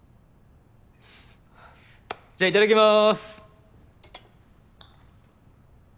ふふっじゃあいただきます。